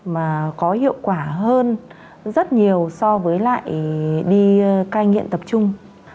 mà có hiệu quả hơn rất nhiều so với lại đi cai nghiện tập trung